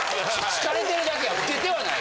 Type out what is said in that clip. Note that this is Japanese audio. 疲れてるだけや老けてはない。